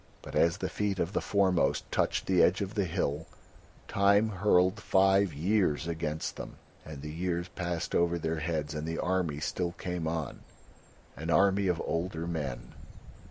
But as the feet of the foremost touched the edge of the hill Time hurled five years against them, and the years passed over their heads and the army still came on, an army of older men.